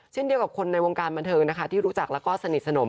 เช่นเดียวกับคนในวงการบันเทิงนะคะที่รู้จักแล้วก็สนิทสนม